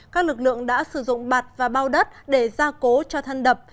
các lực lượng đã sử dụng bạt và bao đất để ra cố cho thân đập